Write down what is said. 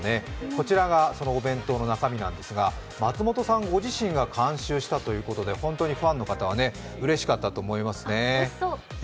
こちらがそのお弁当の中身なんですが、松本さんご自身が監修したということで、本当にファンの方はうれしかったと思いますね。